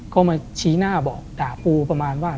ก็มาชี้หน้าบอกด่าปูประมาณว่า